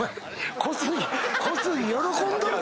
小杉喜んどるで！